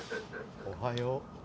「おはよう」